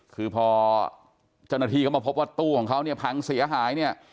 คือพอเจ้าหน้าที่เขามาพบว่าตู้ของเขาเนี่ยพังเสียหายเนี่ย